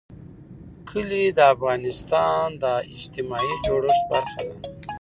کلي د افغانستان د اجتماعي جوړښت برخه ده.